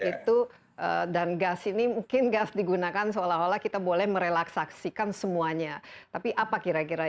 itu dan gas ini mungkin gas digunakan seolah olah kita boleh merelaksaksikan semuanya tapi apa kira kira